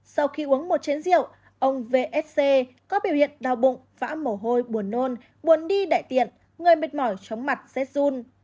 sau khi uống một chén rượu ông vsc có biểu hiện đau bụng vã mổ hôi buồn nôn buồn đi đại tiện người mệt mỏi chóng mặt rét dung